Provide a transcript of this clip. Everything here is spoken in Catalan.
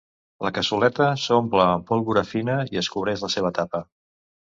La cassoleta s'omple amb pólvora fina i es cobreix la seva tapa.